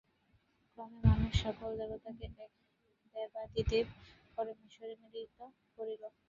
ক্রমে মানুষ সকল দেবতাকে এক দেবাদিদেব পরমেশ্বরে মিলিত করিল।